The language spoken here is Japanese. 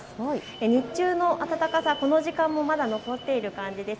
日中の暖かさ、この時間もまだ残っている感じです。